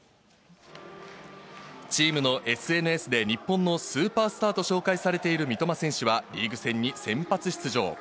チームのＳＮＳで日本のスーパースターと紹介されている三苫選手はリーグ戦に先発出場。